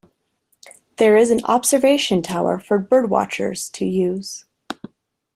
There is an observation tower for birdwatchers to use.